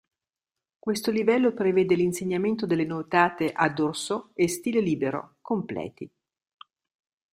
Questo livello prevede l'insegnamento delle nuotate a dorso e stile libero (completi).